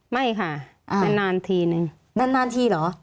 ไม่ค่ะนานทีนึงนานทีเหรอ